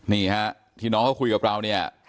นี่ฮะที่น้องเขาคุยกับเราเนี่ย